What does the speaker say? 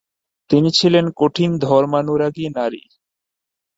তিনি ছিলেন কঠিন ধর্মানুরাগী নারী।